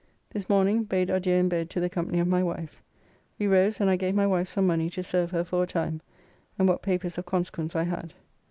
This morning bade adieu in bed to the company of my wife. We rose and I gave my wife some money to serve her for a time, and what papers of consequence I had.